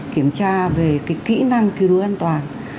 kiểm tra về kỹ năng cứu đuối an toàn